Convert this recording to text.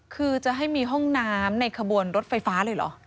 คือจะให้มีห้องน้ำในขบวนรถไฟฟ้าเลยเหรอ